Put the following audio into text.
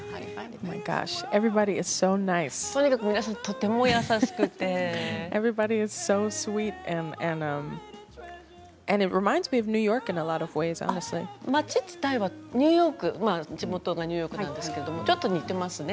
とにかく皆さんとても優しくて街自体は地元ニューヨークなんですけれどちょっと似ていますね。